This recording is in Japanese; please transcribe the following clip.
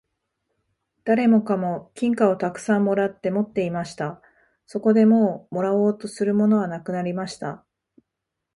誰もかも金貨をたくさん貰って持っていました。そこでもう貰おうとするものはなくなりました。